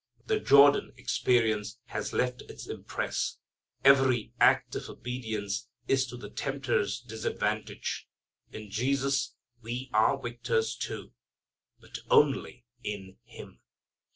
The Jordan experience has left its impress. Every act of obedience is to the tempter's disadvantage. In Jesus we are victors, too. But only in Him.